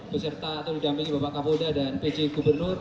beserta atau didampingi bapak kapolda dan pj gubernur